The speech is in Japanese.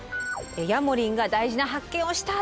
ヤモリンが「大事な発見をした。